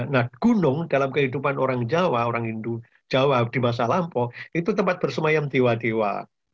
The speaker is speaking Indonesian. nah gunung dalam kehidupan orang jawa orang hindu jawa di masa lampau itu tempat bersemayam tiwa dewa